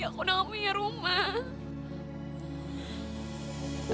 aku udah gak punya rumah